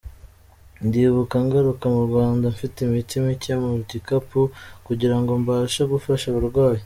Ndibuka ngaruka mu Rwanda mfite imiti micye mu gikapu kugira ngo mbashe gufasha abarwayi.